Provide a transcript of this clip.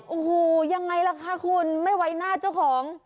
โอ้โหยังไงล่ะคะคุณไม่ไว้หน้าเจ้าของ